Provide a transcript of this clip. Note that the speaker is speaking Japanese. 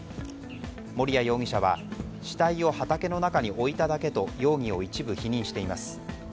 守屋容疑者は死体を畑の中に置いただけと容疑を一部否認しています。